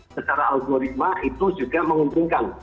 secara algoritma itu juga menguntungkan